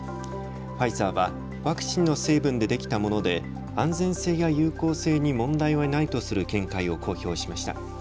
ファイザーはワクチンの成分でできたもので安全性や有効性に問題はないとする見解を公表しました。